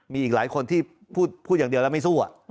มีอีกหลายคนที่พูดอย่างเดียวแล้วไม่สู้